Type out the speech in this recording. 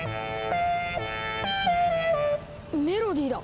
メロディーだ！